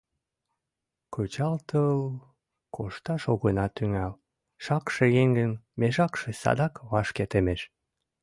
— Кычалтыл кошташ огына тӱҥал, шакше еҥын мешакше садак вашке темеш.